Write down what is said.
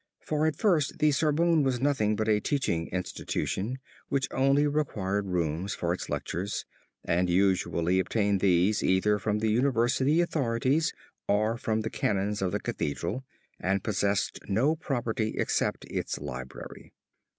For at first the Sorbonne was nothing but a teaching institution which only required rooms for its lectures, and usually obtained these either from the university authorities or from the Canons of the Cathedral and possessed no property except its library.